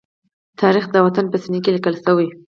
تاریخ د وطن په سینې کې لیکل شوی.